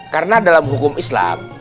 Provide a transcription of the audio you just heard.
karena dalam hukum islam